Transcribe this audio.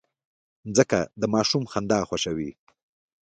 مځکه د ماشوم خندا خوښوي.